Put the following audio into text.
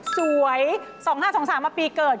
สวย๒๕๒๓มาปีเกิด